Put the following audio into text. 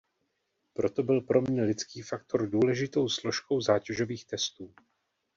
Proto byl pro mne lidský faktor důležitou složkou zátěžových testů.